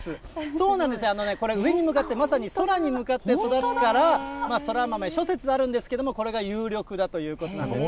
そうなんですよ、これね、上に向かってまさに空に向かって育つからそら豆、諸説あるんですけれども、これが有力だということです。